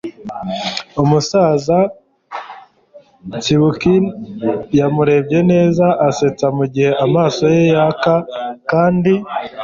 umusaza tsybukin yamurebye neza-asetsa mugihe amaso ye yaka, kandi